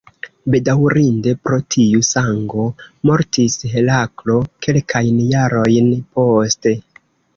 Bedaŭrinde, pro tiu sango mortis Heraklo kelkajn jarojn poste.